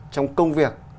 trong công việc